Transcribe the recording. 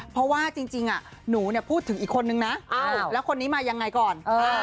เพราะว่าจริงหนูพูดถึงอีกคนนึงนะแล้วคนนี้มายังไงก่อน